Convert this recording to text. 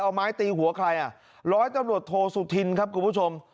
เอาไม้ตีหัวใครอ่ะร้อยตำรวจโทสุธินครับคุณผู้ชม